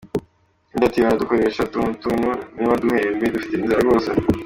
Undi ati “Badukoresha tunutunu, ntibaduhembe, dufite inzara rwose.